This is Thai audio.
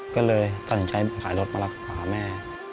ก็เลยตัดสินใจขายรถมารักษาแม่